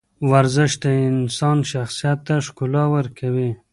ورزش د انسان شخصیت ته ښکلا ورکوي.